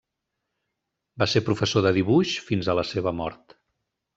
Va ser professor de dibuix fins a la seva mort.